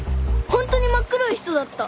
本当に真っ黒い人だった。